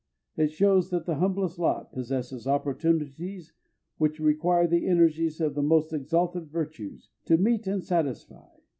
It shows that the humblest lot possesses opportunities which require the energies of the most exalted virtues to meet and satisfy.